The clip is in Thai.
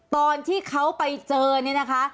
ตอนที่เขาไปเจอเนี่ยนะคะ